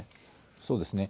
そうですね。